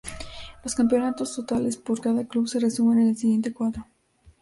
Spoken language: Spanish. Los campeonatos totales por cada club se resumen en el siguiente cuadro.